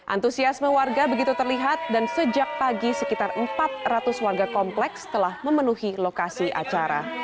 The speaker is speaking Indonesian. antusiasme warga begitu terlihat dan sejak pagi sekitar empat ratus warga kompleks telah memenuhi lokasi acara